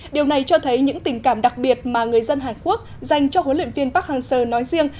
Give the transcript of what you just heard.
điều này cho thấy những tình cảm đặc biệt mà người dân hàn quốc dành cho huấn luyện viên park hang seo nói riêng